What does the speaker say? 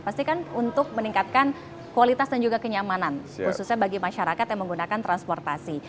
pastikan untuk meningkatkan kualitas dan juga kenyamanan khususnya bagi masyarakat yang menggunakan transportasi